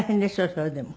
それでも。